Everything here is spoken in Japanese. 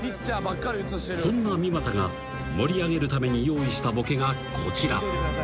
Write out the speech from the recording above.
［そんな三又が盛り上げるために用意したボケがこちら］